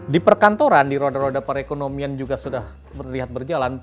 di perkantoran di roda roda perekonomian juga sudah terlihat berjalan